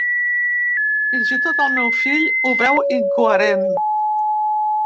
Fins i tot el meu fill ho veu incoherent